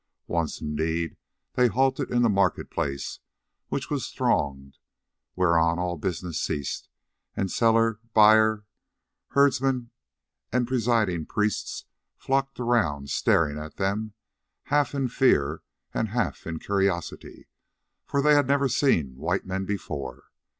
Once indeed they halted in the market place, which was thronged; whereon all business ceased, and seller, buyer, herdsmen, and presiding priests flocked around staring at them, half in fear and half in curiosity, for they had never seen white men before.